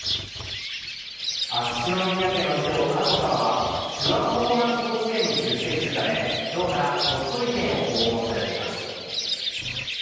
秋篠宮家の次女、佳子さまは、手話パフォーマンス甲子園に出席するため、きょうから鳥取県を訪問されています。